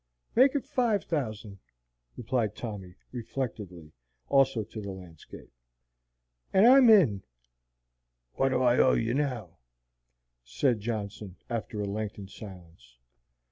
"Make it five thousand," replied Tommy, reflectively, also to the landscape, "and I'm in." "Wot do I owe you now?" said Johnson, after a lengthened silence.